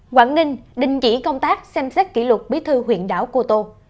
quảng ninh đình chỉ công tác xem xét kỷ luật bí thư huyện đảo cô tô